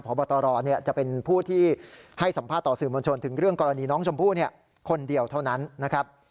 พบตรจะเป็นผู้ที่ให้สัมภาษณ์ต่อสื่อมวลชนถึงเรื่องกรณีน้องชมพู่คนเดียวเท่านั้นนะครับ